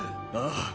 ああ。